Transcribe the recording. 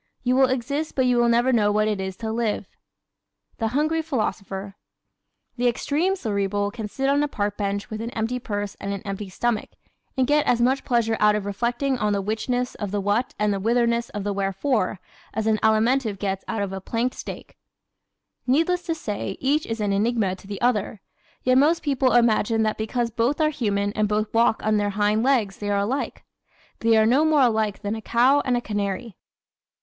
You will exist but you will never know what it is to live. The Hungry Philosopher ¶ The extreme Cerebral can sit on a park bench with an empty purse and an empty stomach and get as much pleasure out of reflecting on the "whichness of the what and the whitherness of the wherefore" as an Alimentive gets out of a planked steak. Needless to say, each is an enigma to the other. Yet most people imagine that because both are human and both walk on their hind legs they are alike. They are no more alike than a cow and a canary.